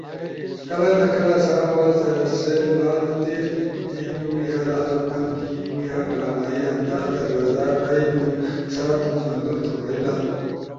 کلہ نہ کلہ سا آواز ایسے لالو تیز بیںنپو یا لالو کم بینُو یا ڈرامائی انداز در رضا بیئنو سا تُو منظور تو بئیلا۔